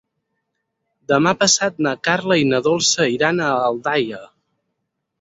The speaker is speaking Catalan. Demà passat na Carla i na Dolça iran a Aldaia.